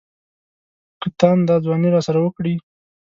که تاند دا ځواني راسره وکړي.